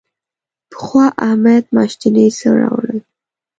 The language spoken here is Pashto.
پخوا احمد میاشتنی څه راوړل.